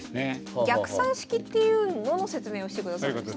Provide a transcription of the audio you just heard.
逆算式っていうのの説明をしてくださるんですね。